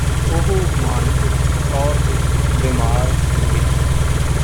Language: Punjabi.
ਉਹ ਮਾਨਸਿਕ ਤੌਰ ਤੇ ਬਿਮਾਰ ਹੋ ਗਿਆ